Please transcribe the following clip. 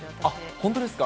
本当ですか。